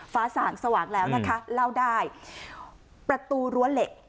ส่างสว่างแล้วนะคะเล่าได้ประตูรั้วเหล็ก